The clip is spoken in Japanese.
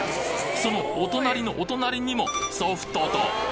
そのお隣のお隣にも「ソフト」と！